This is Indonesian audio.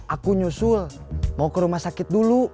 aku nyusul mau ke rumah sakit dulu